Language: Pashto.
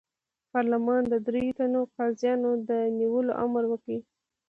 پارلمان د دریوو تنو قاضیانو د نیولو امر وکړ.